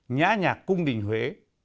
nhã nhạc cung đình huế